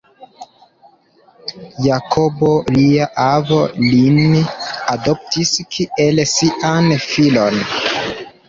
Jakobo, lia avo, lin adoptis kiel sian filon.